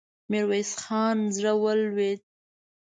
د ميرويس خان زړه ولوېد.